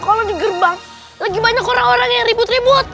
kalau di gerbang lagi banyak orang orang yang ribut ribut